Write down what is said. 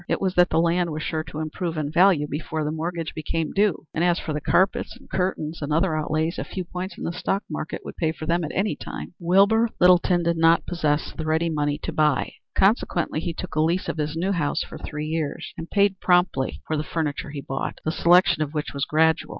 It was that the land was sure to improve in value before the mortgage became due, and as for the carpets and curtains and other outlays, a few points in the stock market would pay for them at any time. Wilbur Littleton did not possess the ready money to buy; consequently he took a lease of his new house for three years, and paid promptly for the furniture he bought, the selection of which was gradual.